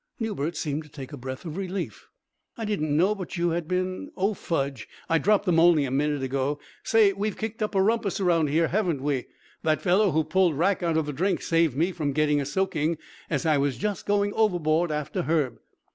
Newbert seemed to take a breath of relief. "I didn't know but you had been Oh, fudge! I dropped them only a minute ago. Say, we've kicked up a rumpus around here, haven't we? That fellow who pulled Rack out of the drink saved me from getting a soaking, as I was just going overboard after Herb.